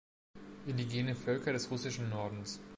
Indigene Völker des russischen Nordens